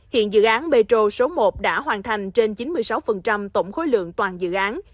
hiện dự án metro số một đã hoàn thành trên chín mươi sáu tổng khối lượng toàn dự án